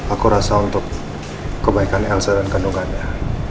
aku rasa untuk kebaikan elsa dan kandungannya